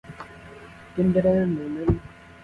من لە دیتنی حاکم ئەوەندە ترسام دەلەرزیم